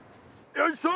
よいしょ。